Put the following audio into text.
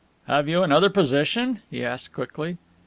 "Have you another position?" he asked quickly.